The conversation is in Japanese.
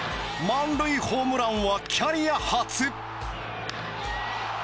満塁ホームランはキャリア初。